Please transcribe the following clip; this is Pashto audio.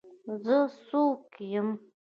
زه څوک یم.